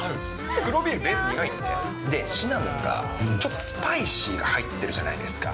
黒ビール、ベース苦いんで、シナモンがちょっとスパイシーが入ってるじゃないですか。